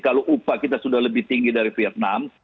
kalau upah kita sudah lebih tinggi dari vietnam